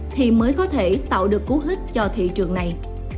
thì mới có thể tạo được cú hít cho thị trường này